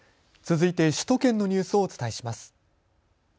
続いて首都圏のニュースをお伝えします。